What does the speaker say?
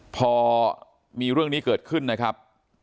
พอมีเรื่องนี้เกิดขึ้นนะครับ